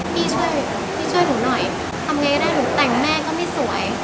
พี่ช่วยหนูหน่อยทำยังไงได้หนูแต่งแม่ก็ไม่สวย